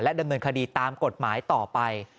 ดำเนินคดีตามกฎหมายต่อไป